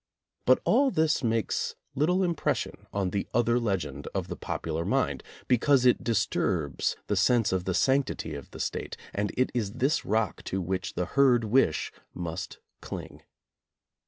But all this makes little impression on the other legend of the popular mind, because it disturbs the sense of the sanctity of the State and it is this rock to which the herd wish must cling.